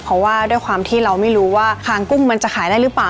เพราะว่าด้วยความที่เราไม่รู้ว่าคางกุ้งมันจะขายได้หรือเปล่า